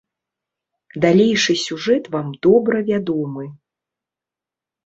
Далейшы сюжэт вам добра вядомы.